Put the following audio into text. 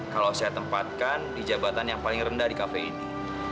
kalau saya tempatkan di jabatan yang paling rendah di kafe ini